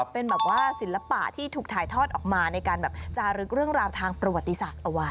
เป็นแบบว่าศิลปะที่ถูกถ่ายทอดออกมาในการแบบจารึกเรื่องราวทางประวัติศาสตร์เอาไว้